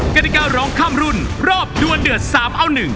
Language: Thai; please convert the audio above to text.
กฎิการร้องข้ามรุ่นรอบดวนเดือด๓เอา๑